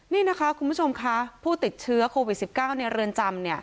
นี่นะคะคุณผู้ชมค่ะผู้ติดเชื้อโควิด๑๙ในเรือนจำ